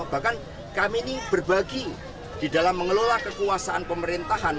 bahkan kami ini berbagi di dalam mengelola kekuasaan pemerintahan